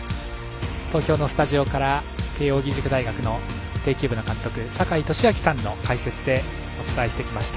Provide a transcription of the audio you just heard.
東京のスタジオから慶応義塾大学の庭球部監督坂井利彰さんの解説でお伝えしてきました。